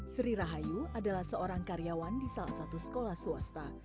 sri rahayu adalah seorang karyawan di salah satu sekolah swasta